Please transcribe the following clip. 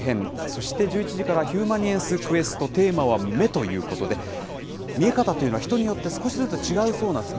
そして１１時からはヒューマニエンスＱ、テーマは目ということで、見え方というのは、人によって少しずつ違うそうなんです。